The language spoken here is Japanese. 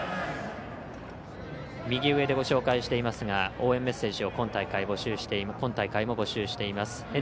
右上でご紹介していますが応援メッセージを今大会も募集しています。